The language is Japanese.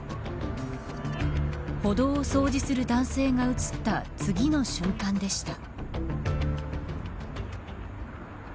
歩道を掃除する男性が映った、次の瞬間でした。